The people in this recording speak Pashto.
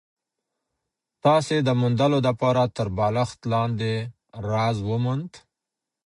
تاسي د موندلو دپاره تر بالښت لاندي راز وموند؟